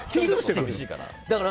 寂しいから。